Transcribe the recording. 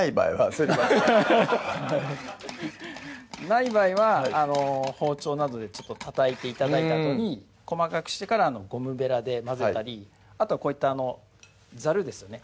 すり鉢ない場合は包丁などでたたいて頂いたあとに細かくしてからゴムベラで混ぜたりあとはこういったザルですよね